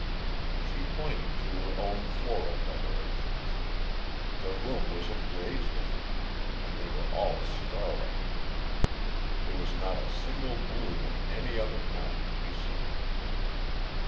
She pointed to her own floral decorations. The room was ablaze with them. And they were all scarlet. There was not a single bloom of any other kind to be seen.